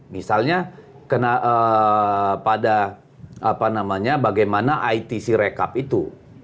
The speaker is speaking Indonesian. misalnya pada bagaimana itc rekap itu